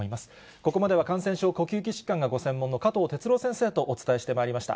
ここまでは感染症、呼吸器疾患がご専門の加藤哲朗先生とお伝えしてまいりました。